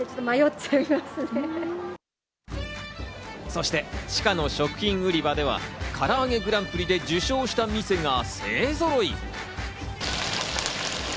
そして地下の食品売り場では、からあげグランプリで優勝した店が勢ぞろい。